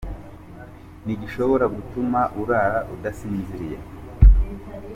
com: N’iki gishobora gutuma urara udasinziriye?.